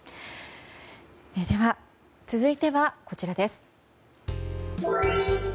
では、続いてはこちらです。